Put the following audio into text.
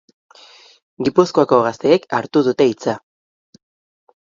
Gipuzkoako gazteek hartu dute hitza.